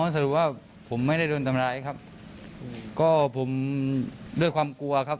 สรุปว่าผมไม่ได้โดนทำร้ายครับก็ผมด้วยความกลัวครับ